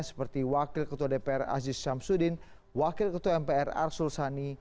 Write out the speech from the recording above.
seperti wakil ketua dpr aziz syamsuddin wakil ketua mpr arsul sani